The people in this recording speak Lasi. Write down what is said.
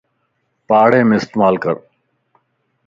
پاڙين ڪم استعمال ڪر